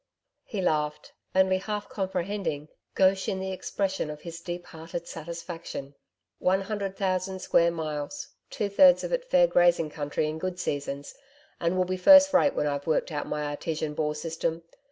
He laughed, only half comprehending, gauche in the expression of his deep hearted satisfaction. 'One thousand square miles, two thirds of it fair grazing country in good seasons, and will be first rate when I've worked out my artesian bore system.